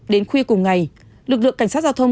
đến khuya cùng ngày lực lượng cảnh sát giao thông